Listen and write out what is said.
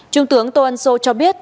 trung tướng tô ân sô cho biết